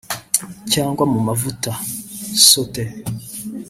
cg mu mavuta (saut ée)